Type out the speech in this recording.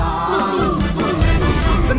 ร้องได้ให้ร้อง